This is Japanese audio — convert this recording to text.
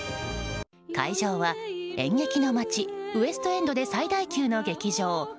会場は演劇の街ウエストエンドで最大級の劇場。